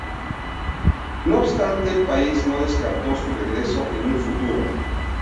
No obstante, el país no descartó su regreso en un futuro.